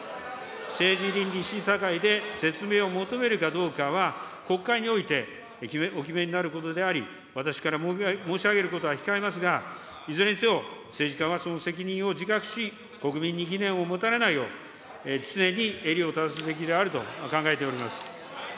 政治倫理審査会で説明を求めるかどうかは国会においてお決めになることであり、私から申し上げることは控えますが、いずれにせよ、政治家はその責任を自覚し、国民に疑念を持たれないよう、常に襟を正すべきであると、考えております。